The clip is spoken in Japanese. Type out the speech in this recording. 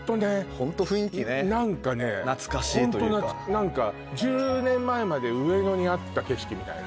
ホント懐懐かしいというか１０年前まで上野にあった景色みたいな